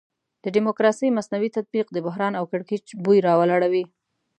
د ډیموکراسي مصنوعي تطبیق د بحران او کړکېچ بوی راولاړوي.